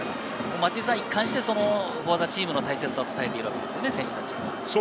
松井さん、一貫してフォア・ザ・チームの大切さを伝えているということですね、選手たちに。